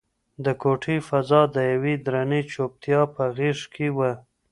د کوټې فضا د یوې درنې چوپتیا په غېږ کې وه.